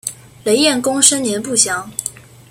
雷彦恭生年不详。